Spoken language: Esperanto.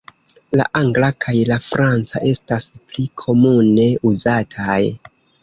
La angla kaj la franca estas pli komune uzataj.